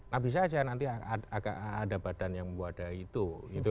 nah bisa aja nanti ada badan yang membuat dari itu